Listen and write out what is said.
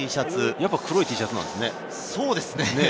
やっぱり黒いＴシャツなんですね。